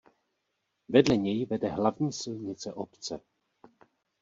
Vedle něj vede hlavní silnice obce.